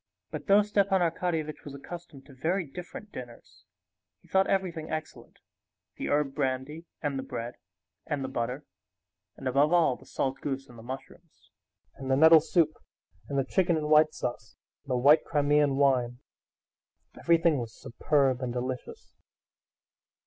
But though Stepan Arkadyevitch was accustomed to very different dinners, he thought everything excellent: the herb brandy, and the bread, and the butter, and above all the salt goose and the mushrooms, and the nettle soup, and the chicken in white sauce, and the white Crimean wine—everything was superb and delicious.